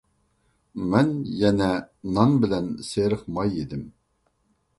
مەن يەنە نان بىلەن سېرىق ماي يېدىم.